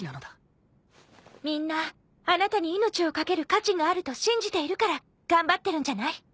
みんなあなたに命を懸ける価値があると信じているから頑張ってるんじゃない？